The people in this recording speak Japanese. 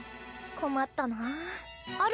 困ったなあ。